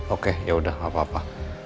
oke yaudah gak apa apa